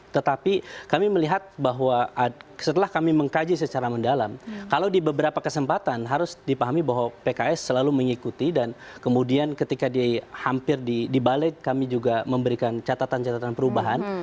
tetapi kami melihat bahwa setelah kami mengkaji secara mendalam kalau di beberapa kesempatan harus dipahami bahwa pks selalu mengikuti dan kemudian ketika dia hampir di balik kami juga memberikan catatan catatan perubahan